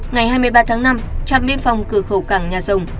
ngày hai mươi ba tháng năm trạm biên phòng cửa khẩu cảng nhà rồng